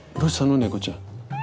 猫ちゃん。